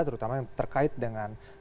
terutama yang terkait dengan